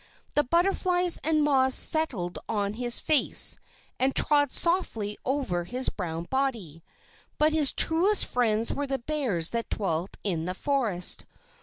The butterflies and moths settled on his face, and trod softly over his brown body. But his truest friends were the bears that dwelt in the forest.